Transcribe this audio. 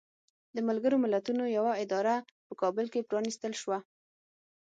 د ملګرو ملتونو یوه اداره په کابل کې پرانستل شوه.